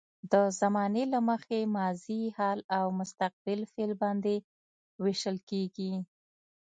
د زمانې له مخې ماضي، حال او مستقبل فعل باندې ویشل کیږي.